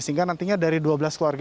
sehingga nantinya dari dua belas keluarga